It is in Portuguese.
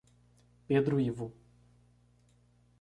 Pedro Ivo